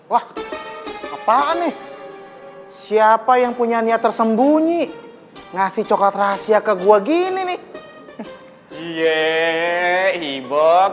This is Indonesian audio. wah apaan nih siapa yang punya niat tersembunyi ngasih coklat rahasia ke gue gini nih iye ibok